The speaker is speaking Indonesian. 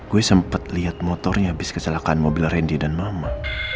gue sempet liat motornya abis kecelakaan mobil rendy dan mama